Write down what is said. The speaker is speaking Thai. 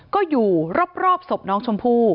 ก็อยู่รอบศพน้องชมพู่